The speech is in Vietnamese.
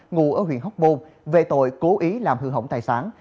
ngụ ở huyện hóc môn về tội cố ý làm hư hỏng tài sản